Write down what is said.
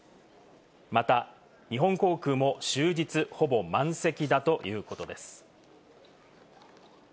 また、日本航空も終日ほぼ満席だということです。